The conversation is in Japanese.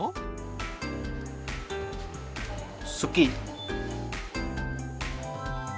「好き」。